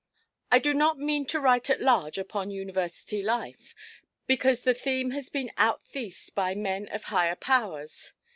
I do not mean to write at large upon University life, because the theme has been out–thesed by men of higher powers.